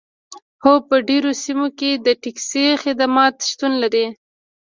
هو په ډیرو سیمو کې د ټکسي خدمات شتون لري